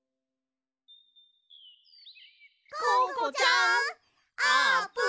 ココちゃんあーぷん！